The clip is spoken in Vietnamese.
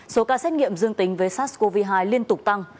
số ca xét nghiệm dương tính với sars cov hai liên tục tăng